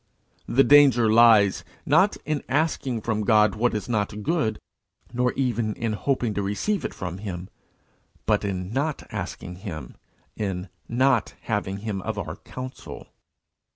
The danger lies, not in asking from God what is not good, nor even in hoping to receive it from him, but in not asking him, in not having him of our council.